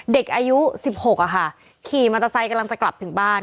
เด็กอายุ๑๖ขี่มอเตอร์ไซค์กำลังจะกลับถึงบ้าน